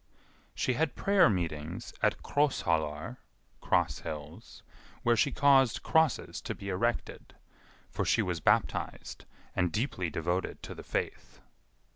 She had prayer meetings at Krossholar (Crosshills), where she caused crosses to be erected, for she was baptised and deeply devoted to the faith.